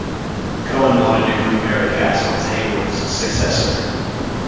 Cohn wanted to groom Mary Castle as Hayworth's successor.